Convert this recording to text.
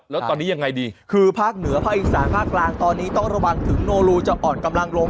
แล้วตอนนี้ยังไงดีคือภาคเหนือภาคอีสานภาคกลางตอนนี้ต้องระวังถึงโนรูจะอ่อนกำลังลง